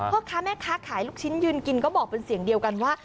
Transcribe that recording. พ่อค้าแม่ค้าขายลูกชิ้นยืนกินก็บอกเป็นเสียงเดียวกันว่า